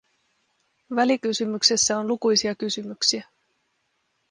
Välikysymyksessä on lukuisia kysymyksiä.